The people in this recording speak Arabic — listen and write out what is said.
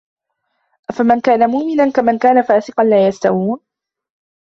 أَفَمَن كانَ مُؤمِنًا كَمَن كانَ فاسِقًا لا يَستَوونَ